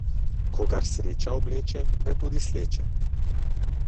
Kogar sreča obleče, ga tudi sleče.